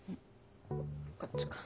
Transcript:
こっちから。